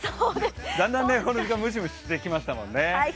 だんだんムシムシしてきましたもんね。